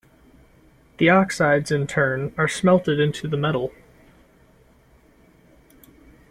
The oxides, in turn, are smelted into the metal.